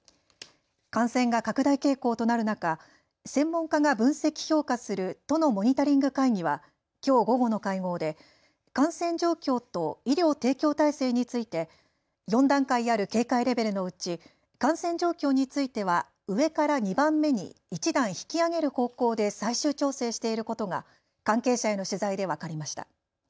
感染が拡大傾向となる中、専門家が分析・評価する都のモニタリング会議はきょう午後の会合で感染状況と医療提供体制について４段階ある警戒レベルのうち、感染状況については上から２番目に１段引き上げる方向で最終調整していることが関係者への取材で分かりました。